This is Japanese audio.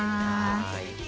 はい。